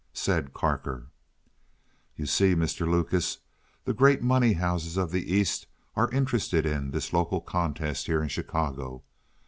Said Carker: "You see, Mr. Lucas, the great money houses of the East are interested in this local contest here in Chicago.